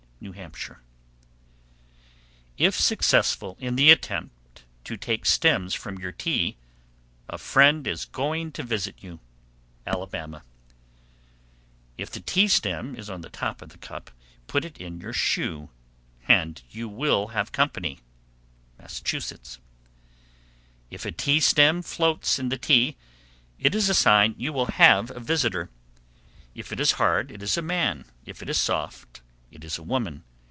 New Hampshire. 774. If successful in the attempt to take stems from your tea, a friend is going to visit you. Alabama. 775. If a tea stem is on top of the cup, put it in your shoe, and you will have company. Massachusetts. 776. If a tea stem floats in the tea, it is a sign you will have a visitor. If it is hard, it is a man; if it is soft, it is a woman.